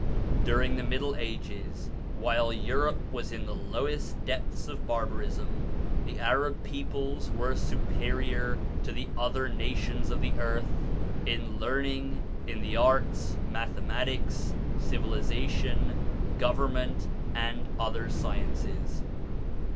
During the middle ages, while Europe was in the lowest depths of barbarism, the Arab peoples were superior to the other nations of the earth in learning, in the arts, mathematics, civilisation, govern ment, and other sciences.